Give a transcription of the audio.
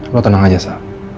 lo tenang aja sa